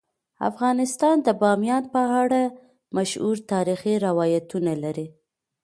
افغانستان د بامیان په اړه مشهور تاریخی روایتونه لري.